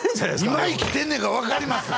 今生きてんねんから分かります！